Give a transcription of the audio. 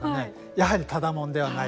やはり、ただ者ではない。